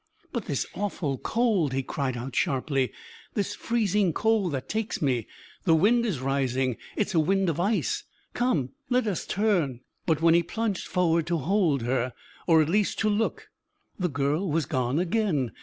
"But this awful cold!" he cried out, sharply, "this freezing cold that takes me. The wind is rising; it's a wind of ice. Come, let us turn ...!" But when he plunged forward to hold her, or at least to look, the girl was gone again.